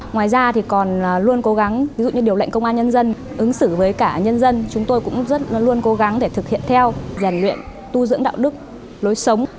ngoài ra tôi luôn cố gắng ví dụ như điều lệnh công an nhân dân ứng xử với cả nhân dân chúng tôi cũng luôn cố gắng để thực hiện theo giàn luyện tu dưỡng đạo đức lối sống